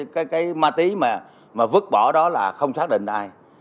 cái ma tí mà vứt bỏ đó là không xác định là ai